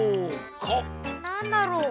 なんだろう？